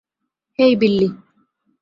হেই, বিল্লি।